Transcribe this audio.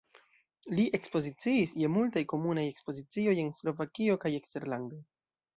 Li ekspoziciis je multaj komunaj ekspozicioj en Slovakio kaj eksterlande.